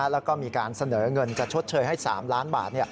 แล้วก็มีการเสนอเงินจะชดเชยให้๓ล้านบาท